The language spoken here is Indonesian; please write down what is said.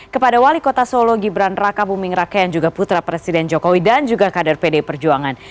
kepada wali kota solo gibran raka buming raka yang juga putra presiden jokowi dan juga kader pdi perjuangan